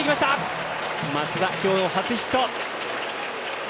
松田、今日、初ヒット。